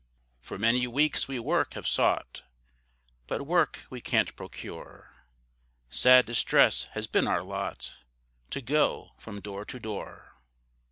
For many weaks we work have sought, But work we can't procure, Sad distress has been our lot, To go from door to door.